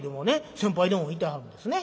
先輩でもいてはるんですね。